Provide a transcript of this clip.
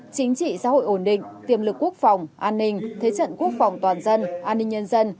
chính trị xã hội ổn định tiềm lực quốc phòng an ninh thế trận quốc phòng toàn dân an ninh nhân dân